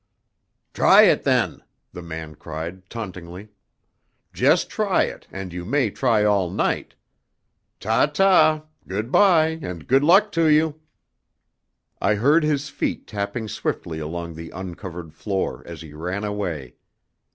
"Try it, then!" the man cried, tauntingly. "Just try it and you may try all night. Ta, ta! Good bye, and good luck to you!" I heard his feet tapping swiftly along the uncovered floor as he ran away.